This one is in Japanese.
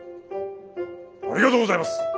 ありがとうございます。